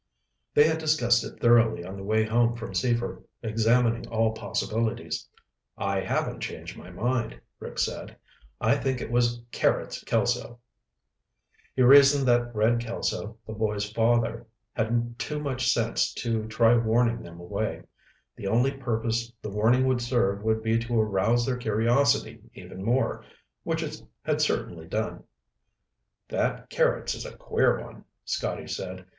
They had discussed it thoroughly on the way home from Seaford, examining all possibilities. "I haven't changed my mind," Rick said. "I think it was Carrots Kelso." He reasoned that Red Kelso, the boy's father, had too much sense to try warning them away. The only purpose the warning would serve would be to arouse their curiosity even more which it had certainly done. "That Carrots is a queer one," Scotty said.